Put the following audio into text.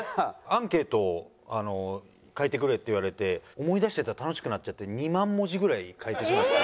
「アンケートを書いてくれ」って言われて思い出してたら楽しくなっちゃって２万文字ぐらい書いてしまって。